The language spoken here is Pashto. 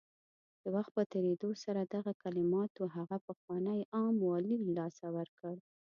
د وخت په تېرېدو سره دغه کلماتو هغه پخوانی عام والی له لاسه ورکړ